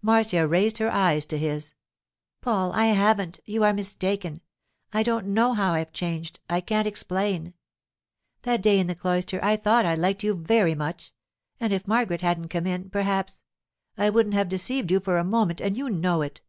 Marcia raised her eyes to his. 'Paul, I haven't. You are mistaken. I don't know how I've changed; I can't explain. That day in the cloister I thought I liked you very much. And if Margaret hadn't come in, perhaps—I wouldn't have deceived you for a moment, and you know it.